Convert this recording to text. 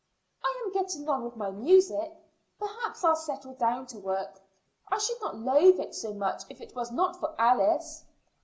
"I am getting on with my music. Perhaps I'll settle down to work. I should not loathe it so much if it was not for Alice."